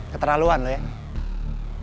keterlaluan lo ya